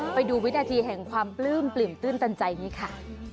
ไปดูวินาทีแห่งความปลื้มปลิ่มตื้นตันใจนี้ค่ะ